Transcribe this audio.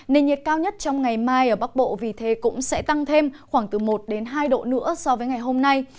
nền nhiệt cao nhất trong ngày mai ở bắc bộ vì thế cũng sẽ tăng thêm khoảng từ một hai độ nữa so với ngày hôm nay